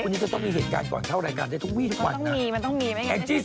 วันนี้จะต้องมีเหตุการณ์ก่อนเท่าไหร่กันจะต้องวีดก่อนนะมันต้องมีมันต้องมี